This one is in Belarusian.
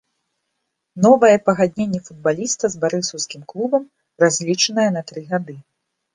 Новае пагадненне футбаліста з барысаўскім клубам разлічанае на тры гады.